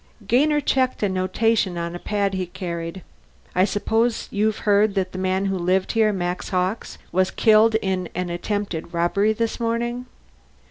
Gainer checked a notation on a pad he carried. "I suppose you've heard that the man who lived here Max Hawkes was killed in an attempted robbery this morning."